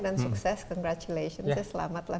dan sukses congratulations selamatlah